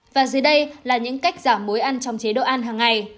và dưới đây là những cách giảm mối ăn trong chế độ ăn hàng ngày